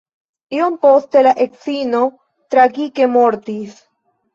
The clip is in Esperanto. Iom poste la edzino tragike mortis.